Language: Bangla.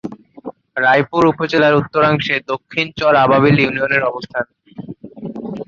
রায়পুর উপজেলার উত্তরাংশে দক্ষিণ চর আবাবিল ইউনিয়নের অবস্থান।